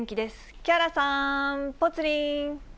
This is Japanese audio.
木原さん、ぽつリン。